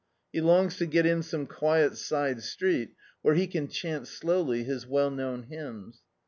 He longs to get in some quiet side street where he can chant slowly his well known hymns.